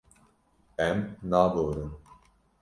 Em naborin.